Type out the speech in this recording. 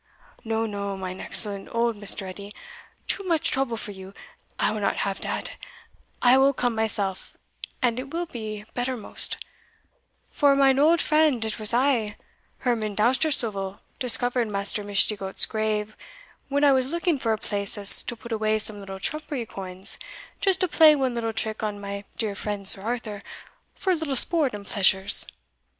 "No no mine excellent old Mr. Edie, too much trouble for you I will not have dat I will come myself and it will be bettermost; for, mine old friend, it was I, Herman Dousterswivel, discovered Maister Mishdigoat's grave when I was looking for a place as to put away some little trumpery coins, just to play one little trick on my dear friend Sir Arthur, for a little sport and pleasures.